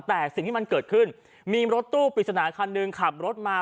แต่สิ่งที่มันเกิดขึ้นมีรถตู้ปริศนาคันหนึ่งขับรถมา